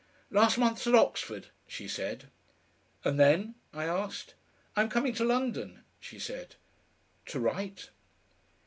"Last months at Oxford," she said. "And then?" I asked. "I'm coming to London," she said. "To write?"